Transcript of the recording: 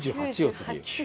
次。